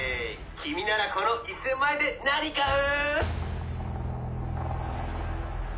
「君ならこの１０００万円で何買う？」